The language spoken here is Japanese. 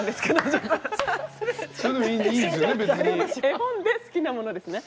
絵本で好きなものですね。